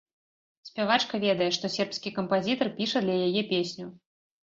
Спявачка ведае, што сербскі кампазітар піша для яе песню.